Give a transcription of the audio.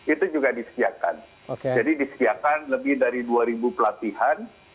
itu juga disediakan jadi disediakan lebih dari dua ribu pelatihan